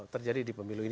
terjadi di pemilu ini